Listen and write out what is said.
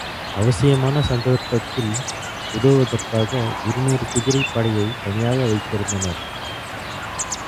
அவசியமான சந்தர்ப்பத்தில், உதவுவதற்காக இருநூறு குதிரைப் படையைத் தனியாக வைத்திருந்தனர்.